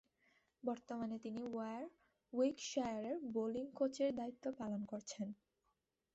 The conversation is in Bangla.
বর্তমানে তিনি ওয়ারউইকশায়ারের বোলিং কোচের দায়িত্ব পালন করছেন।